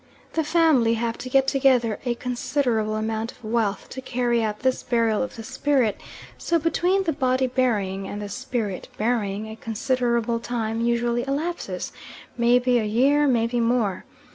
The family have to get together a considerable amount of wealth to carry out this burial of the spirit, so between the body burying and the spirit burying a considerable time usually elapses; maybe a year, maybe more.